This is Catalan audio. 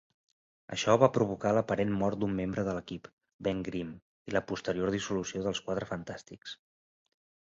Això va provocar l'aparent mort d'un membre de l'equip, Ben Grimm, i la posterior dissolució dels Quatre Fantàstics.